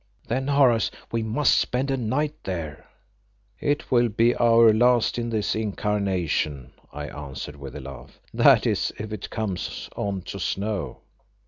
"Then, Horace, we must spend a night there." "It will be our last in this incarnation," I answered with a laugh, "that is if it comes on to snow."